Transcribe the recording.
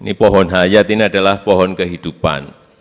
ini pohon hayat ini adalah pohon kehidupan